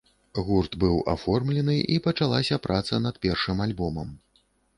Гурт быў аформлены, і пачалася праца над першым альбомам.